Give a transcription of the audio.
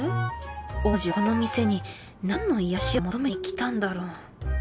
王子はこの店に何の癒やしを求めに来たんだろう？